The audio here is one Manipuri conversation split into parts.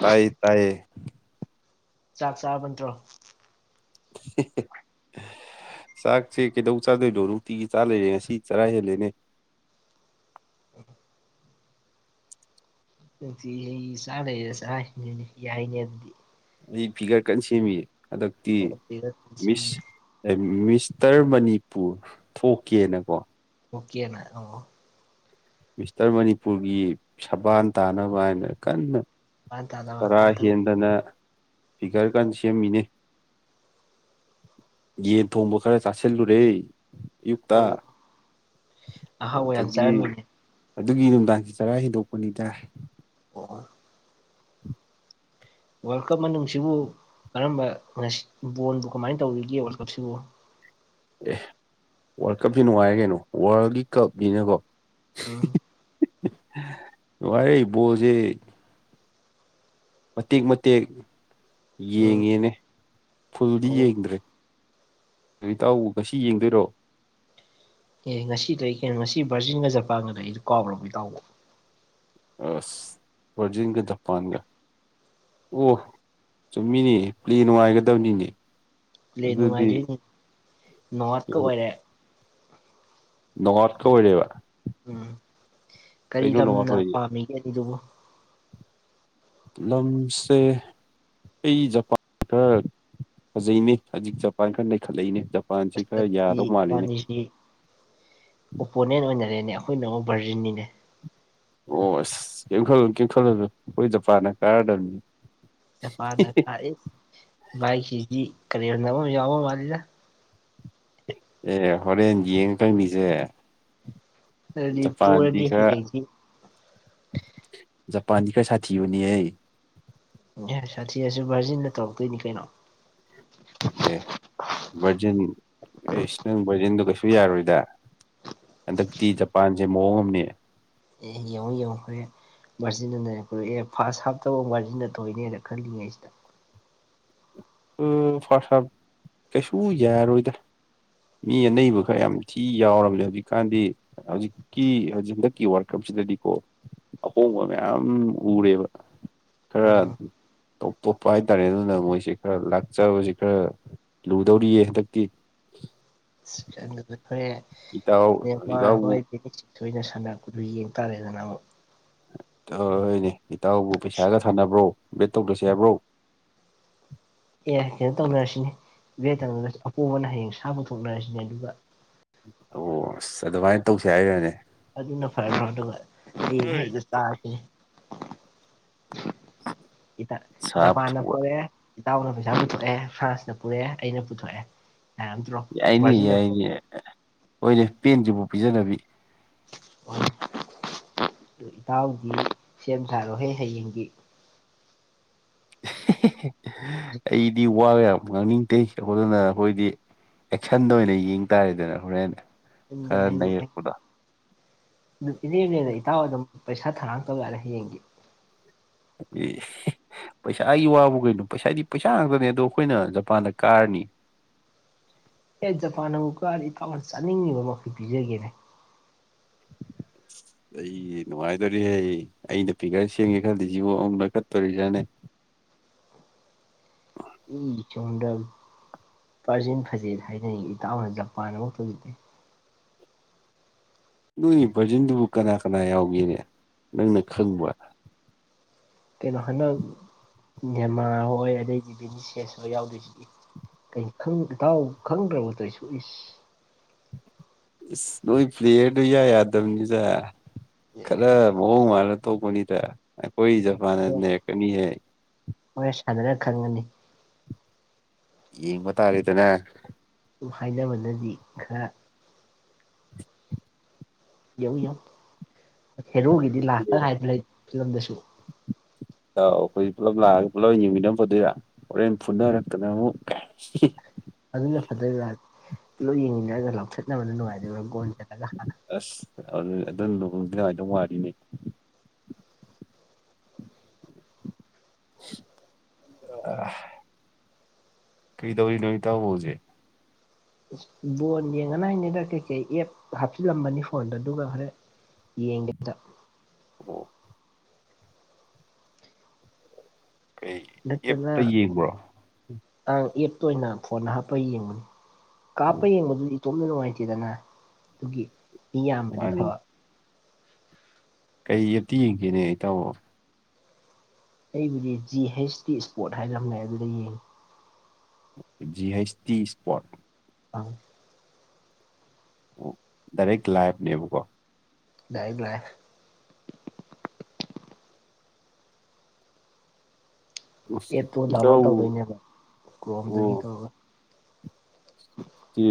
ꯇꯥꯏꯌꯦ ꯇꯥꯏꯌꯦ ꯆꯥꯛ ꯆꯥꯕꯇ꯭ꯔꯣ [unintelligible] ꯆꯥꯛꯁꯦ ꯀꯩꯗꯧ ꯆꯥꯗꯣꯏꯅꯣ ꯅꯨꯡꯇꯤꯒꯤ ꯆꯥ ꯂꯩꯔꯦ ꯉꯁꯤ ꯆꯔꯥ ꯍꯦꯜꯂꯦꯅꯦ [unintelligible] ꯑꯗꯨ ꯑꯩ ꯆꯥꯅꯦ ꯆꯅꯦꯅꯦ ꯌꯥꯏꯅꯦ ꯑꯗꯨꯗꯤ ꯑꯩ ꯐꯤꯒꯔ ꯀꯟꯅ ꯁꯦꯝꯃꯤ ꯍꯟꯗꯛꯇꯤ ꯑꯣꯛꯄꯤꯔꯛꯄꯁꯤꯅꯤ ꯃꯤꯁ ꯃꯤꯁ ꯎꯇꯔ ꯃꯅꯤꯄꯨꯔ ꯊꯣꯛꯀꯦꯅꯀꯣ ꯑꯣꯀꯦꯅ ꯑꯉꯣ ꯃꯤꯁꯇꯔ ꯃꯅꯤꯄꯨꯔꯒꯤ ꯁꯕꯥꯟ ꯇꯥꯅꯕ ꯍꯥꯏꯅ ꯀꯟꯅ ꯃꯥꯟ ꯇꯥꯅ ꯆꯔꯥ ꯀꯟ ꯇꯧ ꯍꯦꯟꯗꯅ ꯐꯤꯒꯔ ꯀꯥꯟ ꯁꯦꯝꯃꯤꯅꯤ ꯌꯦ ꯊꯕꯈꯔꯦ ꯆꯁꯤꯦꯜꯂ ꯔꯦ ꯑꯌꯨꯛꯇ ꯑꯣ ꯑꯍꯥꯎꯕ ꯌꯥꯝ ꯑꯗꯨꯗꯒꯤ ꯆꯥꯔꯝꯃꯤꯅꯦ ꯑꯗꯨꯒꯤ ꯅꯨꯡꯗꯥꯡꯁ ꯇꯔꯥ ꯍꯦꯟꯗꯣꯛꯄꯅꯤꯗ ꯀ ꯋꯥꯔꯜ ꯀꯞ ꯃꯅꯨꯡꯅꯨꯡꯁꯤꯕꯨꯨ ꯀꯔꯝꯕ ꯉꯁꯤ ꯕꯣꯜꯕꯨ ꯀꯃꯥꯏꯅ ꯇꯧꯔꯤꯒꯦ ꯋꯥꯔꯜ ꯀꯞꯁꯤꯕꯨ ꯑꯦ ꯋꯥꯔꯜ ꯀꯞꯁꯤ ꯅꯨꯡꯉꯥꯏꯔꯦ ꯀꯩꯅꯣ ꯋꯥꯔꯜꯒꯤ ꯀꯞꯅꯤꯅꯀꯣ ꯎꯝ ꯋꯥꯔ ꯣꯁꯦ ꯃꯇꯦꯛ ꯃꯇꯦꯛ ꯎꯝ ꯌꯦꯡꯉꯦꯅꯦ ꯐꯨꯜꯗꯤ ꯑꯣ ꯌꯦꯡꯗ꯭ꯔꯦ ꯑꯗꯨ ꯏꯇꯥꯎ ꯉꯁꯤ ꯌꯦꯡꯗꯣꯏꯔꯣ ꯑꯦ ꯉꯁꯤꯗ ꯑꯩ ꯀꯩꯅꯣ ꯉꯁꯤ ꯕ꯭ꯔꯖꯤꯟꯒ ꯖꯄꯥꯟꯒꯗ ꯑꯩꯗꯣ ꯀꯥꯎꯔꯕꯕ ꯏꯇꯥꯎꯕ ꯑ ꯕꯔꯖꯤꯟꯒ ꯖꯄꯥꯟꯒ ꯑꯣ ꯆꯨꯝꯃꯤꯅꯦ ꯄꯂꯦ ꯅꯨꯡꯉꯥꯏꯒꯗꯕꯅꯤꯅꯦ ꯂ ꯑꯗꯨꯗꯤ ꯅꯨꯡꯉꯥꯗꯨꯏꯅꯤ ꯅꯣꯔꯠꯀ ꯑꯣꯏꯔꯦ ꯅꯣꯔꯠꯀ ꯑꯣꯏꯔꯦꯕ ꯎꯝ ꯀꯔꯤ ꯀꯩꯅꯣ ꯅꯣꯡꯑꯥꯎꯠ ꯂꯝꯅ ꯑꯣꯏꯔꯤꯁꯦ ꯄꯥꯝꯃꯤꯒꯦꯅꯦ ꯗꯨꯕꯨꯣ ꯂꯝꯁꯦ ꯑꯩ ꯖꯄꯥꯟ ꯈꯔ ꯐꯖꯩꯅꯦ ꯍꯧꯖꯤꯛ ꯖꯄꯥꯟ ꯈꯔ ꯂꯩꯈꯠꯂꯛꯏꯅꯦꯖ ꯑꯁ ꯑꯗꯨꯗꯤ ꯏꯕꯥꯅꯤꯁꯤ ꯑꯣꯄꯣꯅꯦꯟ ꯑꯣꯏꯅꯔꯦꯅꯦꯕ ꯑꯩꯈꯣꯏꯅ ꯚꯔꯖꯤꯟꯅꯤꯅꯦ ꯑꯣ ꯑꯁ ꯀꯈ ꯀꯦꯝꯈꯠꯂ ꯑꯩꯈꯣꯏ ꯖꯄꯥꯟꯅ ꯀꯥꯔꯗꯕꯅꯤ [unintelligible] ꯀꯔꯗꯕꯕ ꯃꯥꯗ ꯑꯦ ꯍꯣꯔꯦꯟ ꯌꯦꯡꯉꯀꯪ ꯃꯤꯁꯦ ꯗ ꯑꯗꯨꯗꯤ ꯄꯣꯔꯗꯤ ꯐꯥꯟꯒ ꯍꯌꯦꯡꯁꯤ ꯖꯄꯥꯟꯀꯩ ꯁꯥꯊꯤ ꯍꯅꯤ ꯍꯩ ꯑꯦ ꯁꯥꯊꯤꯔꯁꯨ ꯚꯥꯔꯖꯤꯟꯗ ꯇꯧꯔꯛꯇꯣꯏꯅꯤ ꯀꯩꯅꯣ ꯑꯦ ꯚꯔꯖꯤꯟ ꯑꯦ ꯏꯁ ꯅꯪ ꯚꯔꯖꯤꯟꯗꯣ ꯀꯩꯁꯨ ꯌꯥꯔꯣꯏꯗ ꯍꯟꯗꯛꯇꯤ ꯖꯄꯥꯟꯁꯦ ꯃꯑꯣꯡ ꯑꯃꯅꯦ ꯑꯦ ꯌꯦꯡꯧ ꯌꯧꯈ꯭ꯔꯦ ꯃꯥꯔꯖꯤꯟꯟꯅꯅꯦ ꯑꯦ ꯐꯥꯔꯁ ꯍꯥꯞꯇꯐꯥꯎ ꯃꯥꯔꯖꯤꯟꯟꯅ ꯊꯣꯛꯏꯅꯦꯅ ꯈꯜꯂꯤꯉꯩꯁꯤꯗ ꯑ ꯐꯁ ꯀꯩꯁꯨ ꯌꯥꯏꯔꯣꯏꯗ ꯃꯤ ꯑꯅꯩꯕ ꯈꯔ ꯌꯥꯝ ꯊꯤ ꯌꯥꯎꯔꯕꯅꯦ ꯍꯧꯖꯤꯛꯀꯥꯟꯗꯤ ꯍꯧꯖꯤꯛꯀꯤꯖꯤꯛ ꯍꯟꯗꯛꯀꯤ ꯋꯥꯔꯀꯞ ꯁꯤꯗꯗꯤꯀꯣ ꯑꯍꯣꯡꯕ ꯃꯌꯥꯝ ꯎꯔꯦꯕ ꯈꯔ ꯎꯝ ꯇꯣꯞ ꯇꯣꯞꯄ ꯍꯥꯏꯇꯥꯔꯦ ꯑꯗꯨꯅ ꯃꯣꯏꯁꯦ ꯈꯔ ꯂꯥꯛꯆꯕꯁꯤ ꯈꯔ ꯂꯨꯗꯧꯔꯤꯌꯦ ꯍꯟꯗꯛꯇꯤ ꯍꯣꯔꯦ ꯏꯇꯥꯎ ꯃꯦꯟꯃꯥꯔ ꯏꯇꯥꯎꯕꯨ ꯍꯣꯏ ꯚꯦꯅ ꯁꯥꯟꯅꯔꯛꯄꯗꯨ ꯌꯦꯡ ꯇꯥꯔꯦꯗꯅ ꯑꯃꯨꯛ ꯇꯧꯣꯏꯅꯦ ꯏꯇꯥꯎꯕꯨ ꯄꯩꯁꯥꯒ ꯊꯥꯟꯅꯕ꯭ꯔꯣ ꯕꯦꯠ ꯇꯧꯗ꯭ꯔꯁꯦ ꯍꯥꯏꯕ꯭ꯔꯣ ꯑꯦ ꯀꯩꯅꯣ ꯇꯧꯅꯔꯁꯤꯅꯦ ꯚꯦ ꯇꯧꯅꯒꯁꯨ ꯑꯄꯣꯝꯕꯅ ꯍꯌꯦꯡ ꯁꯥ ꯄꯨꯊꯣꯛꯅꯔꯁꯤꯅꯦ ꯑꯗꯨꯒ ꯑꯣ ꯑꯁ ꯑꯗꯨꯃꯥꯏꯅ ꯇꯧꯁ ꯍꯥꯏꯔꯅꯦ ꯑꯗꯨꯅ ꯐꯔ ꯐ꯭ꯔꯣ ꯑꯗꯨꯒ ꯃꯤꯅ ꯍꯦꯛꯇ ꯆꯥꯁꯤꯅꯦ ꯏ ꯁꯥ ꯖꯄꯥꯟꯅ ꯄꯨꯊꯣꯛꯄ ꯄꯔꯦ ꯏꯇꯥꯎꯅ ꯄꯩꯁꯥ ꯄꯨꯊꯣꯛꯑꯦ ꯐ꯭ꯔꯥꯟꯁꯅ ꯄꯨꯔꯛꯑꯦ ꯑꯩꯅ ꯄꯨꯊꯣꯛꯑꯦ ꯌꯥꯔꯝꯗ꯭ꯔꯣ ꯌꯥꯏꯅꯤ ꯚꯔꯖꯤꯟꯅ ꯄꯨꯔꯛꯑꯦ ꯌꯥꯏꯅꯤ ꯑꯣꯏꯅꯦꯦ ꯄꯦꯟꯁꯤꯕꯨꯥꯎ ꯄꯤꯖꯅꯕꯤ ꯑꯣꯏ ꯏꯇꯥꯎꯗꯤ ꯁꯦꯝ ꯁꯥꯔꯣꯍꯦ ꯍꯌꯦꯡꯒꯤ ꯑꯩꯗꯤ ꯋꯥꯕ ꯌꯥꯝ ꯉꯥꯡꯅꯤꯡꯗꯦ ꯑꯗꯨꯗꯅ ꯑꯩꯈꯣꯏꯗꯤ ꯑꯦꯛꯁꯟꯗ ꯑꯣꯏꯅ ꯌꯦꯡ ꯇꯥꯔꯦꯗꯅ ꯍꯣꯔꯦꯟ ꯌꯨꯝꯗ ꯈꯔ ꯅꯔꯛꯄꯗꯣ ꯑꯗꯨ ꯏꯔꯦꯝꯅꯦꯦꯟꯅ ꯏꯇꯥꯎ ꯑꯗꯨꯝ ꯄꯩꯁꯥ ꯊꯔꯥꯡ ꯇꯧꯔꯛꯂꯦ ꯍꯌꯦꯡꯒꯤ ꯎ ꯄꯩꯁꯥꯒꯤ ꯋꯥꯕꯨ ꯀꯩꯅꯣ ꯄꯩꯁꯥꯗꯤ ꯄꯩꯁꯥ ꯉꯥꯛꯇꯅꯦ ꯑꯗꯣ ꯑꯩꯈꯣꯏꯅ ꯖꯄꯥꯟꯗ ꯀꯥꯔꯅꯤ [inaudible] ꯑꯦ ꯖꯄꯥꯟꯅ ꯑꯃꯨꯛꯀꯥꯗꯤ ꯏꯇꯥꯎꯅ ꯆꯥꯅꯤꯡꯉꯤꯕ ꯃꯈꯩ ꯄꯤꯖꯒꯦꯅꯦ [inaudible] ꯑꯩ ꯅꯨꯡꯉꯥꯏꯗꯣꯔꯤꯍꯦ ꯑꯩꯅ ꯄꯤꯒꯔ ꯁꯦꯡꯒꯦ ꯈꯜꯗꯤꯁꯤꯉ ꯑꯃꯨꯛ ꯂ ꯀꯠꯇꯣꯔꯤꯁꯤꯥꯅꯦ [inaudible] ꯎ ꯏ ꯆꯣꯗ ꯄꯥꯔꯖꯤꯟ ꯐꯖꯦꯠ ꯍꯥꯏꯅꯅꯤꯡ ꯏꯇꯥꯎꯅ ꯖꯄꯥꯟ ꯑꯃ ꯇꯧꯖꯗꯦ ꯅꯣꯏꯒꯤ ꯚꯔꯖꯟꯗꯨꯕꯨ ꯀꯅꯥ ꯀꯅꯥ ꯌꯥꯎꯒꯦꯅꯦ ꯅꯪꯅ ꯈꯪꯕ ꯀꯩꯅꯣ ꯍꯟꯗꯛ ꯅꯦꯃꯥ ꯍꯣꯏ ꯑꯗꯩꯗꯤ ꯕꯤꯅꯤ ꯁꯦꯁ ꯍ ꯌꯥꯎꯗꯣꯏꯁꯤꯗꯤ ꯏꯇꯥꯎ ꯈꯪꯗ꯭ꯔꯕꯗꯨ ꯑꯩꯁꯨ ꯏꯁ [inaudible] ꯅ ꯄ꯭ꯂꯦꯠ ꯌꯥ ꯌꯥꯗꯕꯅꯤꯁ ꯑꯦ ꯈꯔ ꯃꯎ ꯃꯥꯔ ꯊꯣꯛꯕꯨꯅꯤ ꯇ ꯀꯣꯏꯖꯐꯅꯦ ꯀꯅꯤ ꯍꯥꯏ ꯍꯔ ꯁꯥꯟꯅꯅ ꯈꯪꯒꯅꯤ ꯌꯦꯡꯕ ꯇꯥꯔꯦꯗꯅꯦ ꯍꯥꯏꯅꯕꯗꯗꯤ ꯈꯔ ꯌꯦꯧ ꯌꯥꯧ ꯍꯦꯔꯣꯒꯤꯗꯤ ꯂꯥꯁꯇ ꯍꯥꯏꯕ ꯂꯩ ꯐꯤꯂꯝꯗꯁꯨ ꯇ ꯑꯩꯈꯣꯏ ꯄꯨꯂꯞ ꯂꯥꯛꯑꯒ ꯄꯨꯂꯞ ꯌꯦꯡꯃꯤꯟꯅ ꯐꯗꯣꯏꯔ ꯍꯣꯔꯦꯟ ꯐꯨꯅꯔꯛꯇꯅ ꯑꯃꯨꯛ ꯑꯗꯨꯅ ꯐꯠꯇꯕꯤ ꯀꯤꯂꯣ ꯌꯦꯡꯅꯤꯡꯗꯔꯒ ꯂꯧꯊꯠꯅꯕꯅ ꯅꯨꯡꯉꯥꯏꯗꯣꯏꯔꯥ ꯒꯣꯟ ꯆ ꯑꯁ ꯑꯗꯨ ꯑꯗꯨ ꯂꯨꯗꯤ ꯀꯥꯏꯗꯧ ꯋꯥꯔꯤꯅꯦ ꯑ ꯀꯩꯗꯧꯔꯤ ꯅꯃꯤ ꯇꯕꯖꯦ ꯕꯣꯟ ꯌꯦꯡꯒꯅꯤ ꯍꯥꯏꯅꯤꯗ ꯀꯩꯀꯩ ꯑꯦꯞ ꯍꯥꯞꯆꯤꯜꯂꯝꯕꯅꯤ ꯐꯣꯟꯗ ꯑꯗꯨꯒ ꯈꯔ ꯌꯦꯡꯗ ꯑꯣ ꯀꯩ ꯏ ꯆꯅ ꯑꯦꯞꯇ ꯌꯦꯡꯕ꯭ꯔꯣ ꯑꯥꯡ ꯑꯦꯞꯇ ꯑꯣꯏꯅ ꯐꯣꯟꯗ ꯍꯥꯞꯄ ꯌꯦꯡꯕꯅꯤ ꯀꯥꯞꯄ ꯑꯣ ꯌꯦꯡꯕꯗꯨꯗꯤ ꯇꯣꯝꯅ ꯅꯨꯡꯉꯥꯏꯇꯦꯗꯅ ꯑꯗꯨꯒꯤ ꯃꯤ ꯌꯥꯝꯕꯗꯤ ꯃꯥꯅꯤ ꯐꯕ ꯀꯩ ꯑꯞꯇꯤ ꯌꯦꯡꯁꯤꯅꯦ ꯑꯩ ꯇꯧꯣ ꯑꯩꯕꯨꯗꯤ ꯖꯤ ꯍꯩꯁ ꯇꯗꯤ ꯏꯁꯄꯣꯔꯠ ꯍꯥꯏꯔꯃꯦ ꯑꯗꯨꯗ ꯌꯦꯡꯉꯤ ꯖꯤ ꯍꯩꯁ ꯇꯤ ꯏꯁꯄꯠ ꯑꯥ ꯗꯔ ꯂꯥꯏꯐꯅꯦꯕꯀꯣ ꯂꯩꯏꯕ꯭ꯔꯦ ꯑꯦꯞꯇꯣ ꯗꯥꯎꯟꯂꯣꯗ ꯏꯇꯥꯎ ꯇꯧꯗꯣꯏꯅꯦꯕ ꯑꯣ ꯀ꯭ꯔꯣꯝꯗꯒꯤ ꯇꯧꯔꯒ ꯁꯤ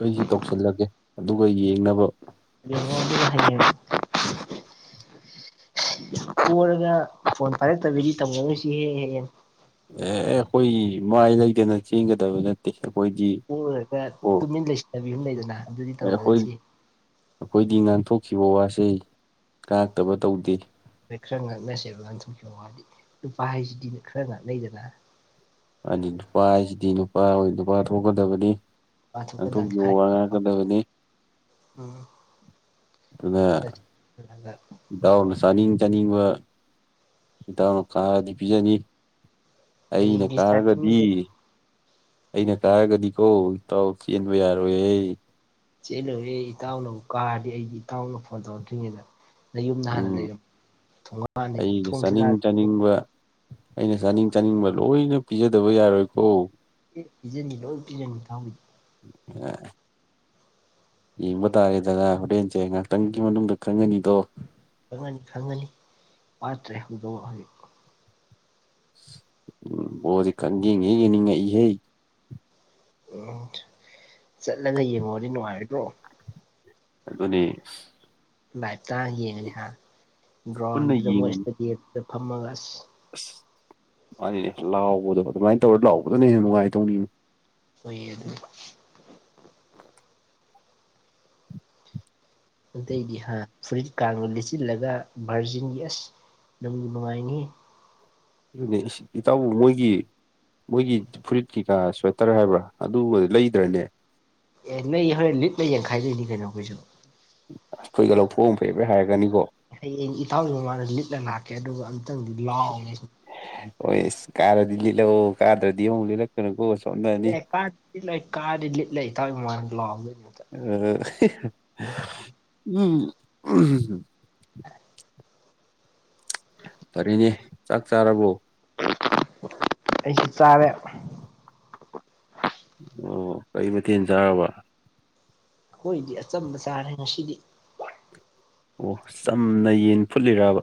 ꯑꯩꯁꯤ ꯇꯧꯁꯜꯂꯒꯦ ꯑꯗꯨꯒ ꯌꯦꯡꯅꯕ ꯌꯉ [unintelligible] [inaudible] ꯀꯔꯒ ꯐꯣꯟ ꯐꯔꯦꯛꯇꯕꯤꯗꯤ ꯇꯝꯒꯅꯣꯏꯁꯤ ꯍꯦꯛ ꯍꯦꯛ ꯍꯦꯡ ꯑꯦ ꯑꯩꯈꯣꯏ ꯃꯥꯏ ꯂꯩꯗꯅ ꯆꯦꯟꯒꯗꯕ ꯅꯠꯇꯦ ꯑꯩꯈꯣꯏꯗꯤ ꯍ ꯑꯣ ꯇꯨ ꯃꯤꯟ ꯂꯩ ꯏ ꯍ ꯂꯩꯗꯅ ꯑꯗꯨꯗꯤ ꯑꯩꯈꯣꯏ ꯇꯧꯅꯔꯁꯤ ꯑꯩꯈꯣꯏꯗꯤ ꯉꯥꯟꯊꯣꯛ ꯎꯈꯤꯕ ꯋꯥꯁꯦ ꯉꯥꯛꯇꯕ ꯇꯧꯗꯦ ꯑꯩꯏ ꯈꯔ ꯉꯥꯛꯅꯁꯦꯕ ꯂꯪꯊꯣꯛꯈꯤꯕ ꯋꯥꯗꯤ ꯅꯨꯨꯄꯥ ꯍꯥꯏꯁꯤꯗꯤꯅꯦ ꯈꯔ ꯉꯥꯛꯅꯩꯗꯅ ꯍꯥꯏꯗꯤ ꯅꯨꯄꯥ ꯍꯥꯏꯁꯤꯗꯤ ꯅꯨꯄꯥ ꯑꯣꯏ ꯅꯨꯄꯥ ꯊꯣꯛꯀꯗꯕꯅꯤ ꯅꯨꯄꯥ ꯊꯣꯛꯀꯗꯥ ꯉꯥꯡꯊꯣꯛꯄꯤꯌꯣ ꯍꯥꯏ ꯉꯥꯡꯉꯛꯀꯗꯕꯅꯤ ꯎꯝ ꯑꯗꯨ ꯗꯥꯎ ꯆꯥꯅꯤꯡ ꯆꯥꯅꯤꯡꯕ ꯏꯗꯅ ꯀꯥ ꯗꯤꯄꯤꯖꯅꯤ ꯑꯩꯅ ꯍꯌꯦꯡꯒꯤ ꯀꯥꯔꯒꯗꯤ ꯆꯠꯅꯤꯡꯕ ꯑꯩꯅ ꯀꯥꯔꯒꯗꯤꯀꯣ ꯏꯇꯥꯎ ꯆꯦꯟꯕ ꯌꯥꯔꯣꯏꯍꯦ ꯆꯦꯜꯂꯨ ꯑꯦ ꯏꯇꯥꯎꯅꯕꯨ ꯀꯥꯔꯗꯤ ꯑꯩꯗꯤ ꯏꯇꯥꯎꯅ ꯐꯣꯟ ꯇꯧꯔꯛꯇ꯭ꯔꯤꯉꯩꯗ ꯅ ꯌꯨꯝꯗ ꯍꯥꯟꯅ ꯎꯝ ꯂꯩꯔꯝ ꯊꯣꯡꯉꯅꯤ ꯑꯩꯅ ꯊꯣꯡꯁꯤꯂ ꯆꯥꯅꯤꯡ ꯆꯥꯅꯤꯡꯕ ꯑꯩꯅ ꯆꯥꯅꯤꯡ ꯆꯥꯅꯤꯡꯕ ꯂꯣꯏꯅ ꯄꯤꯖꯗꯕ ꯌꯥꯔꯣꯏꯀꯣ [unintelligible] [unintelligible] ꯌꯦꯡꯕ ꯇꯥꯔꯦꯗꯅ ꯍꯣꯔꯦꯟꯁꯦ ꯉꯥꯏꯍꯥꯛꯇꯪꯒꯤ ꯃꯅꯨꯡꯗ ꯈꯪꯉꯅꯤꯗꯣ ꯈꯪꯉꯅꯤ ꯈꯪꯉꯅꯤ ꯄꯠꯇ꯭ꯔꯦ ꯍꯧꯗ ꯍꯧ ꯎꯝ ꯑꯣꯗꯤ ꯈꯪꯒꯒꯤꯅꯤꯉꯍꯦ ꯎꯝ ꯆꯠꯂꯒ ꯌꯦꯡꯉꯨꯔꯗꯤ ꯅꯨꯡꯉꯥꯏꯔꯤꯕ꯭ꯔꯣ ꯑꯗꯨ ꯑꯗꯨꯅꯤ ꯂꯥꯏꯞꯇ ꯌꯦꯡꯉꯅꯤ ꯍꯥ ꯄꯨꯟꯅ ꯒ꯭ꯔꯥꯎꯟꯗꯨꯗ ꯑꯃꯣꯏ ꯌꯦꯡ ꯏꯁꯇꯗꯤꯌꯝꯗ ꯐꯝꯃꯒ ꯑꯁ ꯑꯁ ꯃꯥꯅꯤꯅꯦ ꯂꯥꯎꯕꯗꯣ ꯑꯗꯨꯃꯥꯏꯅ ꯇꯧꯔ ꯂꯥꯎꯕꯗꯅ ꯍꯦꯟꯅ ꯅꯨꯡꯉꯥꯏꯇꯧꯅꯤꯅ ꯑꯣꯏ ꯑꯗꯨ ꯑꯇꯩꯗꯤ ꯍꯥ ꯐꯨꯔꯤꯠꯀꯒ ꯂꯤꯠꯆꯤꯜꯂꯒ ꯚꯥꯔꯖꯤꯟꯒꯤ ꯑꯁ ꯅꯪꯗꯤ ꯅꯨꯡꯉꯥꯏ ꯑꯗꯨ ꯏꯇꯥꯎꯕꯨ ꯃꯣꯏꯒꯤ ꯃꯣꯏꯒꯤ ꯐꯨꯔꯤꯠ ꯀꯩꯀꯥ ꯁ꯭ꯋꯦꯇꯔ ꯍꯥꯏꯕ꯭ꯔꯥ ꯑꯗꯨꯕꯨꯗꯤ ꯂꯩꯗ꯭ꯔꯅꯦ ꯑꯦ ꯅꯣꯏ ꯍꯣꯔꯦꯟ ꯂꯤꯠꯅ ꯌꯦꯡꯈꯥꯏꯗꯣꯏꯅꯤ ꯀꯩꯅꯣ ꯑꯩꯈꯣꯏꯁꯨ ꯑꯩꯈꯣꯏꯒ ꯂꯧꯐꯨ ꯐꯩꯕꯩ ꯍꯥꯏꯔꯒꯅꯤꯀꯣ ꯍꯌꯦꯡ ꯏꯇꯥꯎꯁꯤ ꯃꯃꯥꯡꯗ ꯂꯤꯠꯂ ꯂꯥꯛꯀꯦ ꯑꯗꯨꯒ ꯑꯃꯨꯇꯪꯗꯤ ꯂꯥꯎꯒꯦ ꯑꯣ ꯀꯥꯔꯗꯤ ꯂꯤꯂ ꯀꯥꯗ꯭ꯔꯗꯤ ꯂꯅ ꯀꯣ [unintelligible] [unintelligible] ꯎꯝ ꯎꯝ ꯐꯔꯤꯅꯦ ꯆꯥꯛ ꯆꯥꯔꯕꯣ ꯑꯩꯁꯨ ꯆꯥꯔꯦꯕ ꯑꯣ ꯀꯩ ꯃꯊꯦꯜ ꯆꯥꯔꯕ ꯍꯈꯣꯏꯗꯤ ꯑꯆꯝꯕ ꯆꯥꯔꯦ ꯉꯁꯤꯗꯤ ꯑꯣ ꯆꯝꯅ ꯌꯦꯟ ꯐꯨꯠꯂꯤꯔꯕ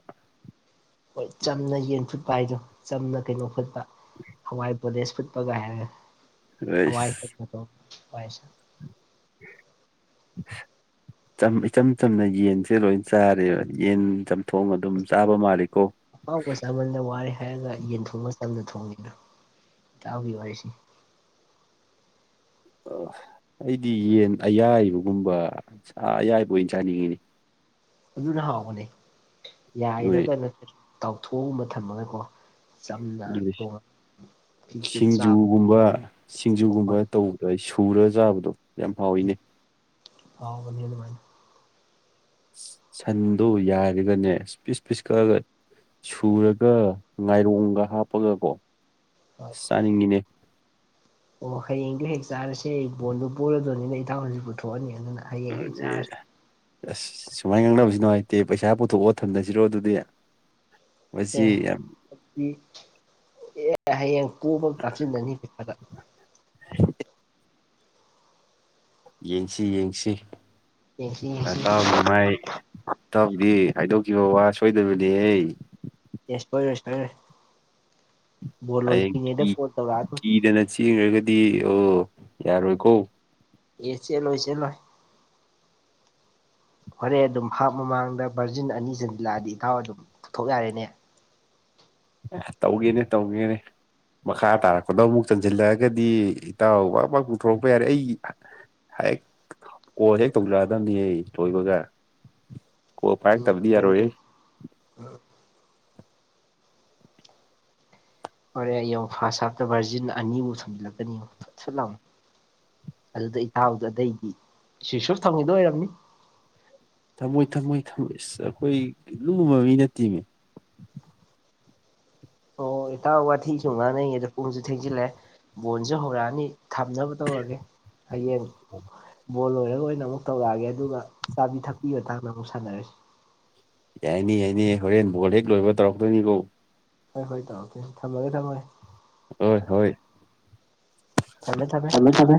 ꯍꯣꯏ ꯆꯝꯅ ꯌꯦꯟ ꯐꯨꯠꯄ ꯍꯥꯏꯗꯣ ꯆꯝꯅ ꯀꯩꯅꯣ ꯐꯨꯠꯄ ꯍꯋꯥꯏ ꯗꯦꯁ ꯐꯨꯠꯄꯒ ꯍꯥꯏ ꯍꯋꯥꯏ ꯆ ꯑꯩꯁ ꯍꯋꯥ [unintelligible] ꯏꯆꯝ ꯆꯝꯅ ꯌꯦꯟꯁꯦ ꯂꯣꯏ ꯆꯥꯔꯦꯕ ꯌꯦꯟ ꯆꯝꯊꯣꯡ ꯑꯗꯨꯝ ꯆꯥꯕ ꯃꯥꯜꯂꯤꯀꯣ ꯑꯥꯎ ꯀꯣꯏ ꯁꯃꯟꯗ ꯋꯥꯔꯦ ꯍꯥꯏꯔꯒ ꯌꯦꯟ ꯊꯣꯡꯕ ꯃꯇꯝꯗ ꯊꯣꯡꯉꯦꯅ ꯏꯇꯥꯎꯒꯤ ꯋꯥꯔꯤꯁꯦ ꯑ ꯑꯩꯗꯤ ꯌꯦꯟ ꯑꯌꯥꯏꯕꯒꯨꯝꯕ ꯑꯌꯥꯏꯕ ꯑꯣꯏꯅ ꯆꯥꯅꯤꯡꯉꯤꯅꯤ [unintelligible] ꯑꯗꯨꯅ ꯍꯥꯎꯒꯅꯤ ꯅꯣꯏ ꯌꯥꯏꯔꯒ ꯅ ꯇꯥꯎꯊꯣꯛꯑꯒꯨꯝꯕ ꯊꯝꯃꯒꯀꯣ ꯆꯝꯅ ꯑꯗꯨꯗꯤ ꯊꯣꯡꯉ ꯐꯤꯒꯤ ꯆꯥꯕ ꯁꯤꯡꯖꯨꯒꯨꯝꯕ ꯁꯤꯡꯖꯨꯒꯨꯝꯕ ꯍꯣꯏ ꯇꯧꯕꯗ ꯑꯩ ꯄꯨꯔꯒ ꯆꯥꯕꯗꯣ ꯌꯥꯝ ꯍꯥꯎꯋꯤꯅꯦ ꯑꯥꯎ ꯅꯤ ꯃꯥꯏꯅ ꯁꯟꯗꯣ ꯌꯥꯔꯒꯅꯦ ꯄꯤꯁ ꯄꯤꯁ ꯀꯛꯑꯒ ꯁꯨꯔꯒ ꯉꯥꯏꯔꯣꯡꯒ ꯍꯥꯞꯄꯒꯀꯣ ꯑ ꯍꯣꯏ ꯆꯥꯅꯤꯡꯉꯤꯅꯦ ꯑꯣ ꯍꯌꯦꯡꯗꯨꯣ ꯍꯦꯛ ꯆꯥꯔꯁꯦ ꯑꯩ ꯕꯣꯟꯗꯨ ꯄꯨꯔꯗꯣꯏꯅꯤꯅ ꯏ ꯊꯥꯎ ꯍꯧꯖꯤꯛ ꯄꯨꯊꯣꯛꯑꯅꯤ ꯑꯗꯨꯅꯥ ꯍꯌ‌ꯦꯡ ꯆꯥꯔꯁ ꯑꯥꯁ ꯁꯨꯃꯥꯏꯅ ꯉꯥꯡꯅꯕꯁꯤꯅꯣ ꯍꯥꯏꯇꯦ ꯄꯩꯁꯥ ꯄꯨꯊꯣꯛꯑꯣ ꯊꯝꯊꯁꯤꯔꯣ ꯑꯗꯨꯗꯤ ꯑꯦ ꯃꯁꯤ ꯌꯥꯝ [unintelligible] ꯑꯦ ꯍꯌꯦꯡ ꯀ‌ꯦꯕ ꯀꯥꯞꯁꯤꯟꯗꯅꯤꯗ ꯌꯦꯡꯁꯤ ꯌꯦꯡꯁꯤ ꯌꯦꯡꯁꯤ ꯌꯦꯡꯁꯤꯇꯥꯎꯒꯤ ꯃꯥꯏ ꯏꯇꯥꯎꯗꯤ ꯍꯥꯏꯗꯣꯛꯈꯤꯕ ꯋꯥ ꯁꯣꯏꯗꯕꯅꯦ ꯑꯩ ꯌꯥꯁꯄꯔꯁꯄꯦ ꯍꯌꯦꯡ ꯀꯤ ꯀꯤꯗꯅ ꯆꯦꯡꯈ꯭ꯔꯒꯗꯤ ꯑꯣ ꯌꯥꯔꯣꯏꯀꯣ ꯑꯦꯁꯤ ꯂꯣ ꯆꯁꯤꯅ [inaudible] ꯍꯣꯔꯦꯟ ꯑꯗꯨꯝ ꯍꯥꯞ ꯃꯃꯥꯡꯗ ꯚꯔꯖꯤꯟ ꯑꯅꯤ ꯆꯟꯁꯤꯜꯂꯛꯑꯗꯤ ꯏꯇꯥꯎ ꯑꯗꯨꯝ ꯄꯨꯊꯣꯛ ꯌꯥꯔꯦꯅꯦ ꯇꯧꯒꯦꯅꯦ ꯇꯧꯒꯦꯅꯦ ꯃꯈꯥ ꯇꯥꯔꯛꯄꯗ ꯑꯃꯨꯛ ꯆꯟꯁꯤꯜꯂꯛꯑꯒꯗꯤ ꯏꯇꯥꯎ ꯑꯃ ꯄꯨꯊꯣꯔꯛꯄ ꯌꯥꯔꯦ ꯑꯩ ꯍꯦꯛ ꯀꯣꯜ ꯍꯦꯛ ꯇꯧꯖꯔꯛꯑꯗꯕꯅꯤ ꯑꯩ ꯊꯣꯏꯕꯒ ꯎꯝ ꯎꯝ ꯍꯣꯔꯦ ꯑꯩꯡ ꯐꯥꯔꯁ ꯍꯥꯞꯇ ꯚꯥꯔꯖꯤꯟ ꯑꯅꯤꯕꯨ ꯊꯣꯝꯖꯤꯜꯂꯛꯀꯅꯤꯠ ꯂꯥꯎꯑꯣ ꯑꯗꯨꯗ ꯏꯇꯥꯎꯕꯗꯣ ꯑꯗꯩꯗꯤ ꯁꯤꯁꯨ ꯊꯪꯉꯗꯣ ꯑꯣꯏꯔꯝꯅꯤ ꯊꯝꯃꯣꯏ ꯊꯝꯃꯣꯏ ꯊꯝꯃꯣꯏ ꯑꯁ ꯑꯩꯈꯣꯏ ꯂꯨꯕ ꯃꯤ ꯅꯠꯇꯤꯃꯦ ꯑꯣ ꯏꯇꯥ ꯋꯥꯊꯤꯁꯨ ꯉꯥꯡꯅꯩꯌꯦ ꯑꯗꯣ ꯄꯨꯡꯁꯨ ꯊꯦꯡꯖꯤꯜꯂꯦ ꯕꯣꯟꯁꯨꯦ ꯍꯧꯔꯛꯑꯅꯤ ꯊꯝꯅꯕ ꯇꯧꯔꯒꯦ ꯍꯌꯦꯡ ꯕꯣꯜ ꯂꯣꯏꯔꯒꯥ ꯂꯣꯏ ꯑꯣꯏꯅ ꯑꯃꯨꯛ ꯇꯧꯔꯛꯑꯒꯦ ꯑꯗꯨꯒ ꯆꯥꯕꯤ ꯊꯛꯄꯤꯕ ꯃꯇꯥꯡꯗ ꯑꯃꯨꯛ ꯁꯥꯟꯅꯔꯁꯤ ꯌꯥꯏꯅꯤ ꯌꯥꯏꯅꯤ ꯍꯣꯔꯦꯟ ꯕꯣꯜ ꯍꯦꯛ ꯂꯣꯏꯕ ꯇꯧꯔꯛꯇꯣꯏꯅꯤꯀꯣ ꯍꯣꯏ ꯍꯣꯏ ꯇꯥꯛꯔꯀꯦ ꯊꯝꯃꯒꯦ ꯊꯝꯃꯒꯦ ꯍ‌ꯣꯏ ꯍꯣꯏ ꯊꯝꯃꯦ ꯊꯝꯃꯦ ꯊꯃ‌ꯦ ꯊꯃ‌ꯦ